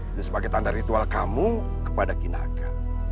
itu sebagai tanda ritual kamu kepada kinaka